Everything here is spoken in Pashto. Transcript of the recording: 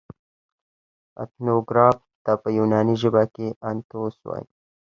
اتنوګراف ته په یوناني ژبه کښي انتوس وايي.